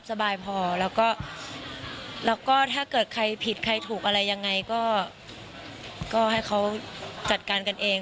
สบายพอแล้วก็ถ้าเกิดใครผิดใครถูกอะไรยังไงก็ให้เขาจัดการกันเอง